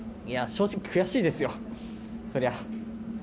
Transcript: いや、正直悔しいですよ、そりゃ。